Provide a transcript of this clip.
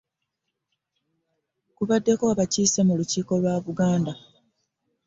Kubaddeko abakiise mu Lukiiko lwa Buganda